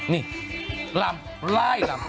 นี่ลำร้ายลำ